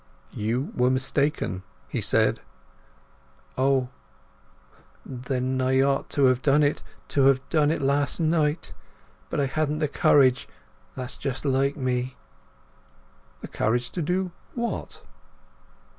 "You were mistaken," he said. "O, then I ought to have done it, to have done it last night! But I hadn't the courage. That's just like me!" "The courage to do what?"